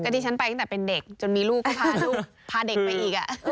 ที่ฉันไปตั้งแต่เป็นเด็กจนมีลูกก็พาลูกพาเด็กไปอีก